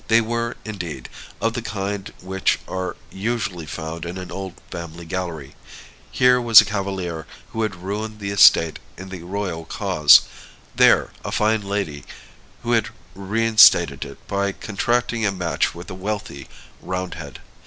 They were, indeed, of the kind which are usually found in an old family gallery. Here was a cavalier who had ruined the estate in the royal cause; there, a fine lady who had reinstated it by contracting a match with a wealthy Roundhead.